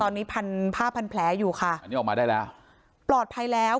ตอนนี้พันผ้าพันแผลอยู่ค่ะอันนี้ออกมาได้แล้วปลอดภัยแล้ว